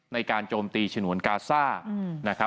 ในการจมตีฉนวนกาซ่า